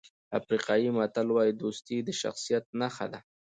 افریقایي متل وایي دوستي د شخصیت نښه ده.